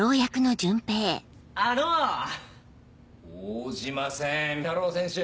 応じません太郎選手。